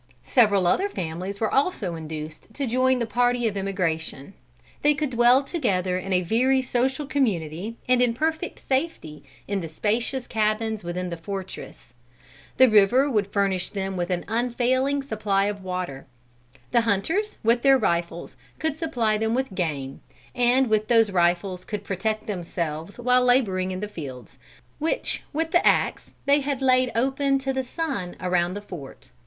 Several other families were also induced to join the party of emigration. They could dwell together in a very social community and in perfect safety in the spacious cabins within the fortress. The river would furnish them with an unfailing supply of water. The hunters, with their rifles, could supply them with game, and with those rifles could protect themselves while laboring in the fields, which with the axe they had laid open to the sun around the fort.